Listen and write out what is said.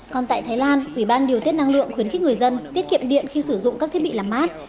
còn tại thái lan ủy ban điều tiết năng lượng khuyến khích người dân tiết kiệm điện khi sử dụng các thiết bị làm mát